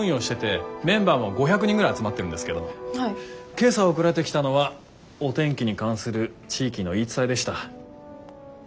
今朝送られてきたのはお天気に関する地域の言い伝えでした。